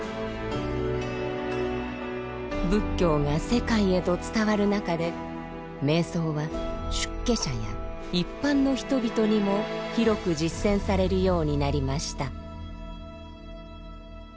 仏教が世界へと伝わる中で瞑想は出家者や一般の人々にも広く実践されるようになりました。